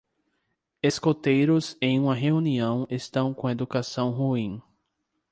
Escoteiros em uma reunião estão com educação ruim.